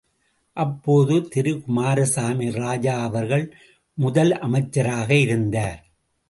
அப்போது திரு குமாரசாமி ராஜா அவர்கள் முதலமைச்சராக இருந்தார்.